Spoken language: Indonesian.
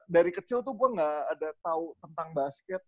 dari kecil tuh gue ga ada tau tentang basket